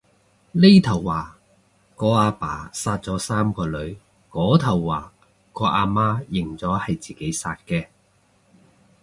呢頭話個阿爸殺咗三個女，嗰頭話個阿媽認咗係自己殺嘅